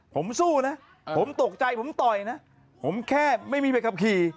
ผมสู้นะผมตกใจผมต่อยนะผมแค่ไม่มีใบขับขี่